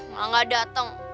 malah gak dateng